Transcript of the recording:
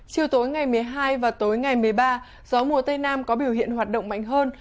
chiều tối ngày một mươi hai và tối ngày một mươi ba gió mùa tây nam có biểu hiện hoạt động mạnh hơn